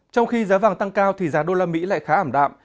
trong khi giá vàng tăng cao thì giá usd lại khá ảm đạm